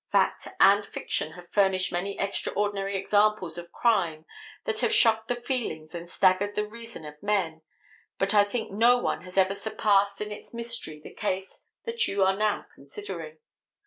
Fact and fiction have furnished many extraordinary examples of crime that have shocked the feelings and staggered the reason of men, but I think no one has ever surpassed in its mystery the case that you are now considering.